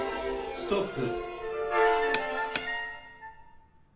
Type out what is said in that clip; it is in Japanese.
ストップ。